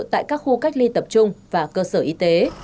tại các khu cách ly tập trung và cơ sở y tế